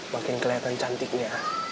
makin kelihatan cantiknya